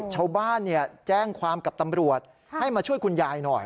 ชาวบ้านแจ้งความกับตำรวจให้มาช่วยคุณยายหน่อย